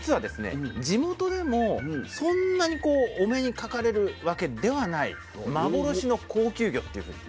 地元でもそんなにお目にかかれるわけではない幻の高級魚っていうふうに。